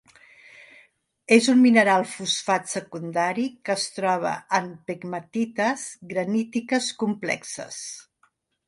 És un mineral fosfat secundari que es troba en pegmatites granítiques complexes.